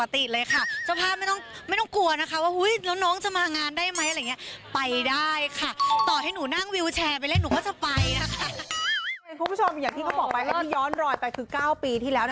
ที่ก็บอกไปให้ที่ย้อนรอยไปคือ๙ปีที่แล้ว